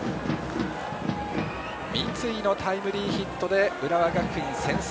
三井のタイムリーヒットで浦和学院、先制。